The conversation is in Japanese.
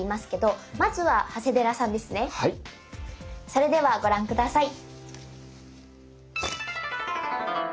それではご覧下さい。